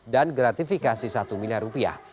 gratifikasi satu miliar rupiah